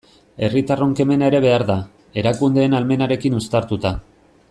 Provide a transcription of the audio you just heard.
Herritarron kemena ere behar da, erakundeen ahalmenarekin uztartuta.